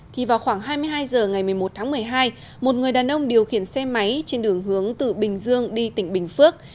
thì vào khoảng hai mươi hai h ngày một mươi một tháng một mươi hai một người đàn ông điều khiển xe máy trên đường hướng từ bình dương đi tỉnh bình phước